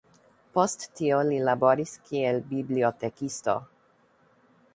Post tio li laboris kiel bibliotekisto.